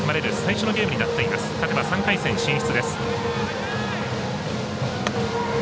勝てば３回戦進出です。